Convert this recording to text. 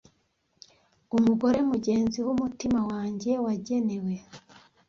umugore mugenzi wumutima wanjye wagenewe